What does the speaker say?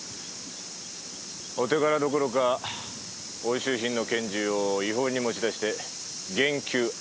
お手柄どころか押収品の拳銃を違法に持ち出して減給アンド停職だとさ。